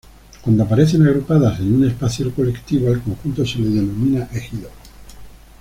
Cuando aparecen agrupadas en un espacio colectivo, al conjunto se le denomina "ejido".